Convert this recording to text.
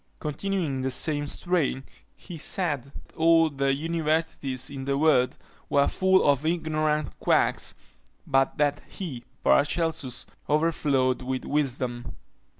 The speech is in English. Continuing in the same strain, he said, all the Universities in the world were full of ignorant quacks; but that he, Paracelsus, overflowed with wisdom.